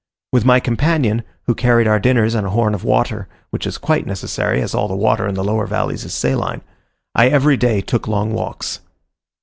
With my companion, who carried our dinners and a horn of water, which is quite necessary, as all the water in the lower valleys is saline, I every day took long walks.